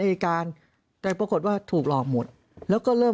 เพราะอาชญากรเขาต้องปล่อยเงิน